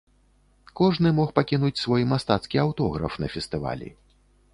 Кожны мог пакінуць свой мастацкі аўтограф на фестывалі.